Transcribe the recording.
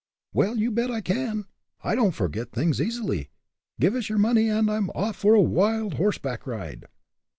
"Well, you bet I can! I don't forget things easily. Give us your money, and I'm off for a wild horseback ride."